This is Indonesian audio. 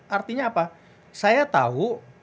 artinya apa saya tahu